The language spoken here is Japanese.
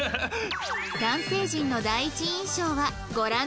男性陣の第一印象はご覧のとおり